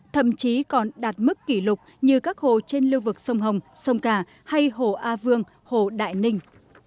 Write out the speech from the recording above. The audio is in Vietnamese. thậm chí còn đạt mức kỷ lục như các hồ trên lưu vực sông hồng sông cà hay hồ a vương hồ đại ninh